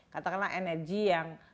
katakanlah energi yang